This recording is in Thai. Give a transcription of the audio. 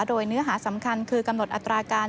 โดยเนื้อหาสำคัญคือกำหนดอัตราการ